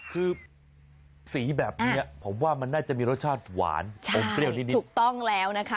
คือสีแบบนี้ผมว่ามันน่าจะมีรสชาติหวานอมเปรี้ยวนิดนึงถูกต้องแล้วนะคะ